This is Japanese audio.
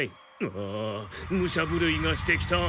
ああ武者ぶるいがしてきた。